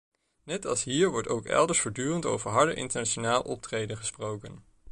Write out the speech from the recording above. Net als hier wordt ook elders voortdurend over harder internationaal optreden gesproken.